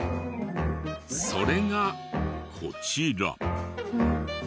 それがこちら。